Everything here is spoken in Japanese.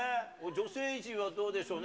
女性陣はどうでしょうね。